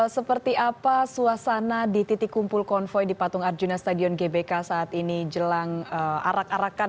seperti apa suasana di titik kumpul konvoy di patung arjuna stadion gbk saat ini jelang arak arakan